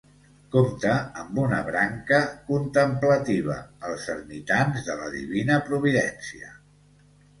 Compta amb una branca contemplativa, els Ermitans de la Divina Providència.